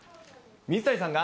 水谷さんが。